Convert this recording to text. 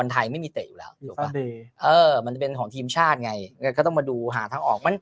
แต่มันเป็นของทีมชาติไงก็ต้องมาดูหาทางออก